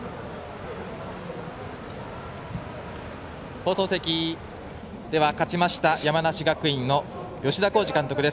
放送席、勝ちました山梨学院の吉田洸二監督です。